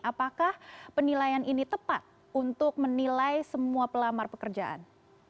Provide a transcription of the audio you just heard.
apakah penilaian ini tepat untuk menilai semua pelamar pekerjaan